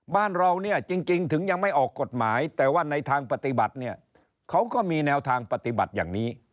บ้านเราเนี่ยจริงถึงยังไม่ออกกฎหมายแต่ว่าในทางปฏิบัติเนี่ยเขาก็มีแนวทางปฏิบัติอย่างนี้